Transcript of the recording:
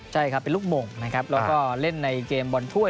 ใช่ครับเป็นลูกหม่งนะครับแล้วก็เล่นในเกมบอลถ้วย